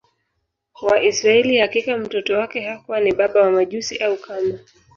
wa Israili Hakika mtoto wake hakuwa ni baba wa Majusi au kama